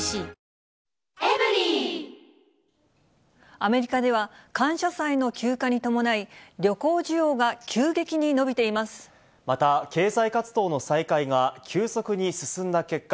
アメリカでは、感謝祭の休暇に伴い、また、経済活動の再開が急速に進んだ結果、